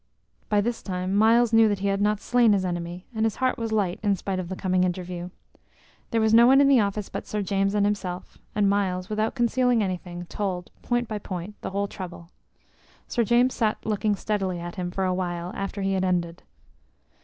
By this time Myles knew that he had not slain his enemy, and his heart was light in spite of the coming interview. There was no one in the office but Sir James and himself, and Myles, without concealing anything, told, point by point, the whole trouble. Sir James sat looking steadily at him for a while after he had ended.